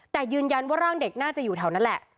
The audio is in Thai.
แต่ยืนยันว่าร่างเด็กน่าจะอยู่แถวนั้นแหละ